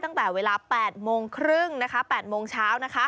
ตั้งแต่เวลา๘โมงครึ่ง๘โมงเช้า